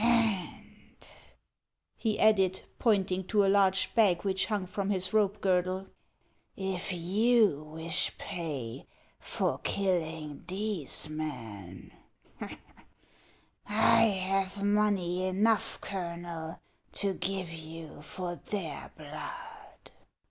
And," he added, pointing to a large bag which hung from his rope girdle, " if you wish pay for killing these men, I have money enough, Colonel, to give you for their blood."